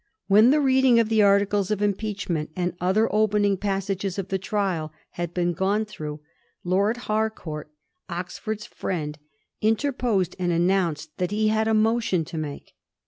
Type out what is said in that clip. When the reading of the articles of impeachment and other opening passages of the trial had been gone through. Lord Harcourt, Oxford's ftiend, interposed, and announced that he had a motion to make.